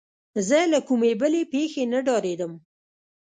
زه له کومې بلې پېښې نه ډارېدم.